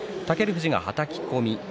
富士がはたき込み。